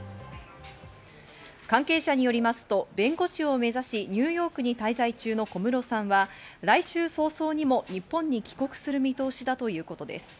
関係者によりますと、弁護士をめざしニューヨークに滞在中の小室さんは来週早々にも日本に帰国する見通しだということです。